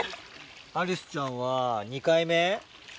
愛梨朱ちゃんは２回目？